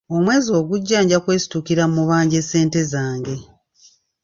Omwezi ogujja nja kwesitukira mubanje ssente zange.